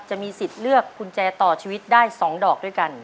จะมีสิทธิ์เลือกกุญแจต่อชีวิตได้๒ดอกด้วยกัน